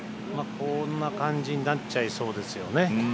こんな感じになっちゃいそうですよね。